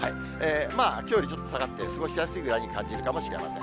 きょうよりちょっと下がって、過ごしやすいぐらいに感じるかもしれません。